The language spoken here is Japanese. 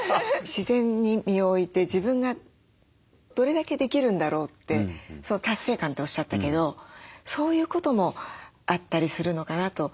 自然に身を置いて自分がどれだけできるんだろうって達成感っておっしゃったけどそういうこともあったりするのかなと。